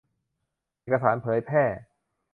เอกสารเผยแพร่